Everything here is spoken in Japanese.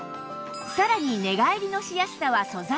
さらに寝返りのしやすさは素材にも